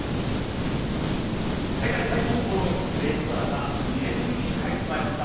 世界最高峰の米ツアーが２年ぶりに帰ってきました。